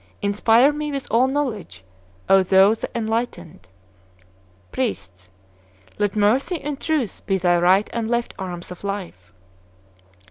Inspire me with all knowledge, O Thou the Enlightened! P. Let Mercy and Truth be thy right and left arms of life!